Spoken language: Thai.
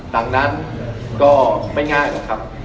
ดังนั้นก็ไม่ง่ายหรอกครับ